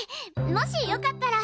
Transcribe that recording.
もしよかったら！